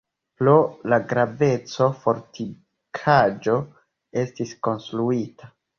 Pro la graveco fortikaĵo estis konstruita.